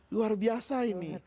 luar biasa ini